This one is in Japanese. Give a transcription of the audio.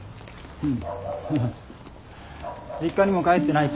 うん。